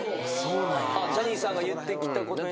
ジャニーさんが言ったことに。